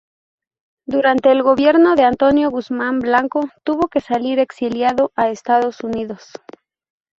Durante el gobierno de Antonio Guzmán Blanco, tuvo que salir exiliado a Estados Unidos.